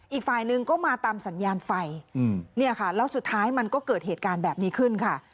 อีกฝ่ายหนึ่งก็มาตามสัญญาณไฟเนี่ยค่ะแล้วสุดท้ายมันก็เกิดเหตุการณ์แบบนี้ขึ้นค่ะ